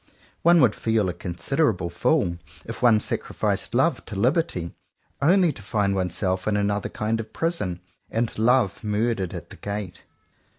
One would feel a considerable fool if one sacrificed "love" to "liberty," only to find oneself in another kind of prison, and "love" murdered at the gate.